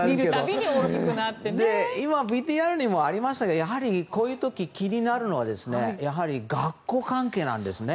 今、ＶＴＲにもありましたがこういう時、気になるのが学校関係なんですね。